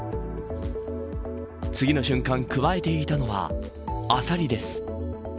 次の瞬間、くわえていたのはアサリです。